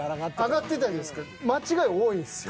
挙がってたんですけど間違い多いんですよ。